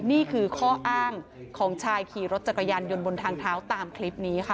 นี่คือข้ออ้างของชายขี่รถจักรยานยนต์บนทางเท้าตามคลิปนี้ค่ะ